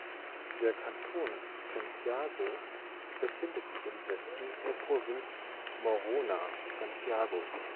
Der Kanton Santiago befindet sich im Westen der Provinz Morona Santiago.